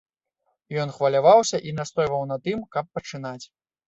Ён хваляваўся і настойваў на тым, каб пачынаць.